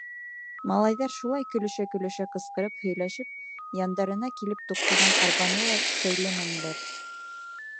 Малайҙар шулай көлөшә-көлөшә ҡысҡырып һөйләшеп, яндарына килеп туҡтаған арбаны ла шәйләмәнеләр.